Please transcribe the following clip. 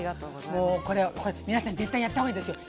もうこれ皆さん絶対やった方がいいですよ。